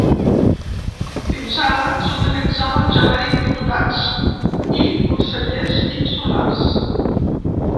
Fins ara, s’utilitzava el genèric ‘diputats’ i ‘consellers insulars’.